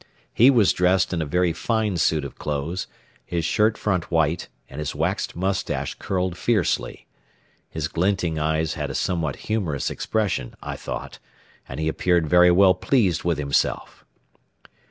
He was dressed in a very fine suit of clothes, his shirt front white, and his waxed mustache curled fiercely. His glinting eyes had a somewhat humorous expression, I thought, and he appeared very well pleased with himself.